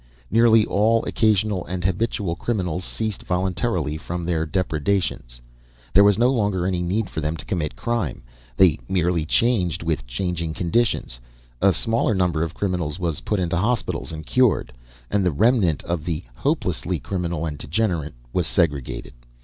Nearly all occasional and habitual criminals ceased voluntarily from their depredations. There was no longer any need for them to commit crime. They merely changed with changing conditions. A smaller number of criminals was put into hospitals and cured. And the remnant of the hopelessly criminal and degenerate was segregated.